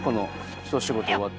一仕事終わっての。